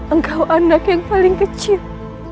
engkau anak yang paling kecil